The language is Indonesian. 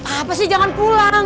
apa sih jangan pulang